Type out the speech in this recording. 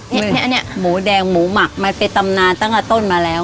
แค่อันนี้หมูแดงหมูหมักมันเป็นตำนานตั้งแต่ต้นมาแล้ว